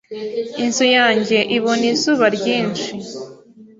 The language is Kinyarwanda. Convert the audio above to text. Inzu yanjye ibona izuba ryinshi.